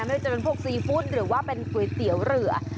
ไม่ว่าจะเป็นพวกซีฟู้ดหรือว่าเป็นก๋วยเตี๋ยวเรือ